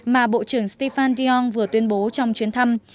mà bộ trưởng stéphane dion vừa tuyên bố trong chuyến thăm